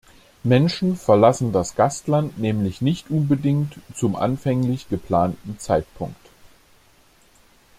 Menschen verlassen das Gastland nämlich nicht unbedingt zum anfänglich geplanten Zeitpunkt.